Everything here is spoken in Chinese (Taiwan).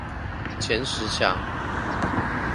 前十強